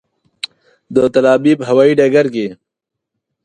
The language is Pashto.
د تل ابیب هوایي ډګر کې.